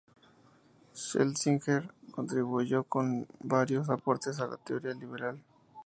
Schlesinger contribuyó con varios aportes a la teoría liberal.